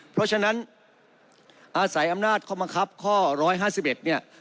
เพราะฉะนั้นอาศัยอำนาจข้อบังคับข้อร้อยห้าสิบเอ็ดเนี่ย